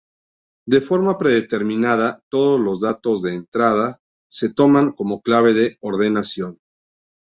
De forma predeterminada, todos los datos de entrada se toman como clave de ordenación.